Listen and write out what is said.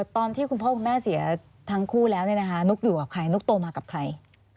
คุณพ่อคุณแม่เสียทั้งคู่แล้วนุ๊กอยู่กับใครนุ๊กโตมากับใคร